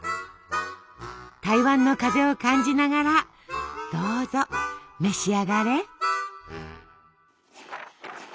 台湾の風を感じながらどうぞ召し上がれ。